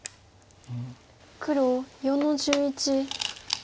黒４の十一。